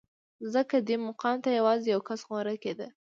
ځکه دې مقام ته یوازې یو کس غوره کېده